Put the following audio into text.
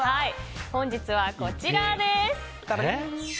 本日はこちらです。